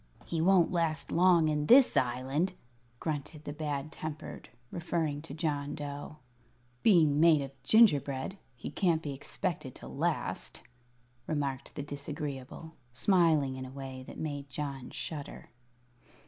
"He won't last long in this Island," grunted the Bad Tempered, referring to John Dough. "Being made of gingerbread, he can't be expected to last," remarked the Disagreeable, smiling in a way that made John shudder.